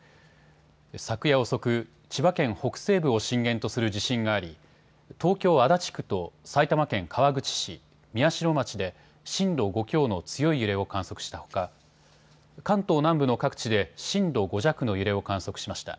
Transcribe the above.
昨夜遅く、千葉県北西部を震源とする地震があり東京足立区と埼玉県川口市、宮代町で震度５強の強い揺れを観測したほか関東南部の各地で震度５弱の揺れを観測しました。